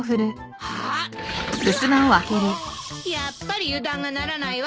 やっぱり油断がならないわ！